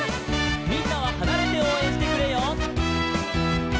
「みんなははなれておうえんしてくれよ」